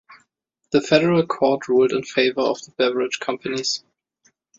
The federal court ruled in favour of the Beverage Companies.